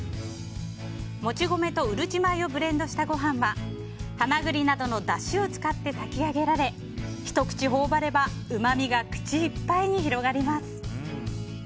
もち米とうるち米をブレンドしたご飯はハマグリなどのだしを使って炊き上げられひと口頬張ればうまみが口いっぱいに広がります。